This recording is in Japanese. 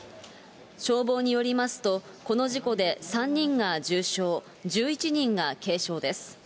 消防によりますと、この事故で３人が重傷、１１人が軽傷です。